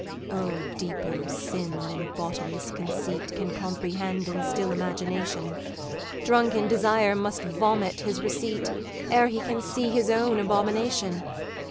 O, deeper sin than bottomless conceit Can comprehend in still imagination! Drunken Desire must vomit his receipt, Ere he can see his own abomination.